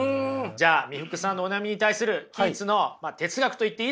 じゃあ三福さんのお悩みに対するキーツの哲学と言っていいでしょう。